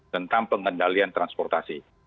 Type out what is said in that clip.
tentang pengendalian transportasi